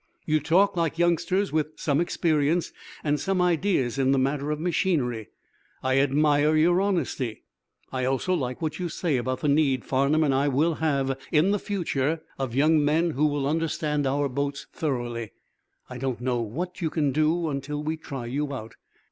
You talk like youngsters with some experience and some ideas in the matter of machinery. I admire your honesty. I also like what you say about the need Farnum and I will have, in the future, of young men who will understand our boats thoroughly. I don't know what you can do until we try you out."